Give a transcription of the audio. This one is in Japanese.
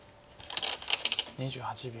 ２８秒。